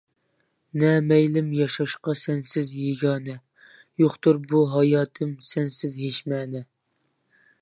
نە مەيلىم ياشاشقا سەنسىز يېگانە، يوقتۇر بۇ ھاياتىم سەنسىز ھېچ مەنە.